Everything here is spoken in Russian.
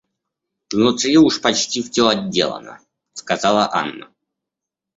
Внутри уж почти всё отделано, — сказала Анна.